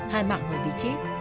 hai mạng người bị chết